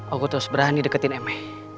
aku terus berani deketin my